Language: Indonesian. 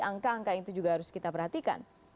angka angka itu juga harus kita perhatikan